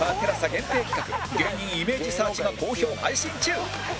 限定企画芸人イメージサーチが好評配信中